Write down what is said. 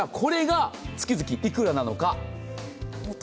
これが月々いくらなのか？